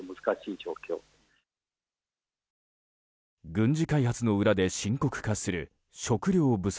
軍事開発の裏で深刻化する食糧不足。